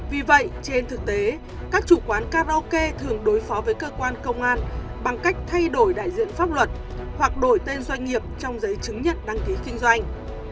vì vậy trên thực tế các chủ quán karaoke thường đối phó với cơ quan công an bằng cách thay đổi đại diện pháp luật hoặc đổi tên doanh nghiệp trong giấy chứng nhận đăng ký kinh doanh